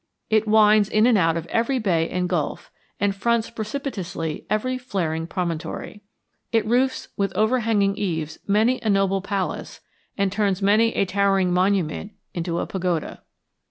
It winds in and out of every bay and gulf, and fronts precipitously every flaring promontory. It roofs with overhanging eaves many a noble palace and turns many a towering monument into a pagoda.